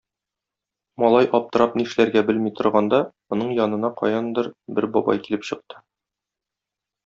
Малай аптырап нишләргә белми торганда, моның янына каяндыр бер бабай килеп чыкты.